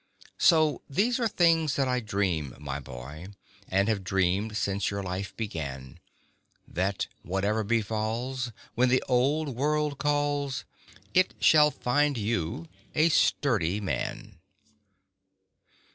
So these are things that I dream, my boy, And have dreamed since your life began: That whatever befalls, when the old world calls, It shall find you a sturdy man.